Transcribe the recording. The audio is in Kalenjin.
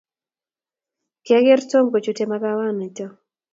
kiageer Tom kochuteimkaawa nito